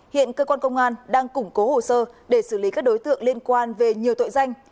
hiện cơ quan công an đang củng cố hồ sơ để xử lý các đối tượng liên quan về nhiều tội danh